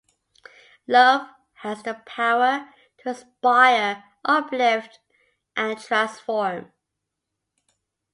Love has the power to inspire, uplift, and transform.